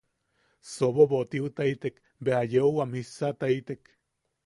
Sobobotiutaitek beja yeu wam jissataitek.